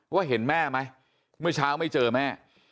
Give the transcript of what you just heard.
เห็นแม่ไหมเมื่อเช้าไม่เจอแม่